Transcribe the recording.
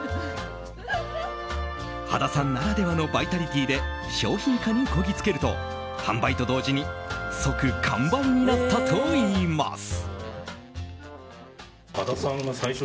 羽田さんならではのバイタリティーで商品化にこぎつけると販売と同時に即完売になったといいます。